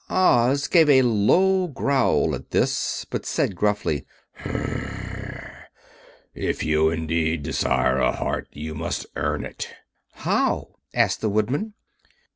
Oz gave a low growl at this, but said, gruffly: "If you indeed desire a heart, you must earn it." "How?" asked the Woodman.